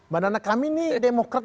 bandana kami ini demokrat